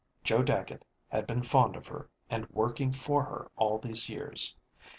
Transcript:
Joe Dagget had been fond of her and working for her all these years.